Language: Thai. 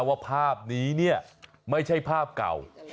ว่าภาพนี้ไม่ใช่ภาพเก่า